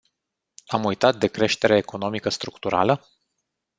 Am uitat de creșterea economică structurală?